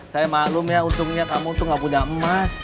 saya maklum ya untungnya kamu tuh gak punya emas